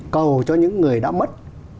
cầu cho những người đã mất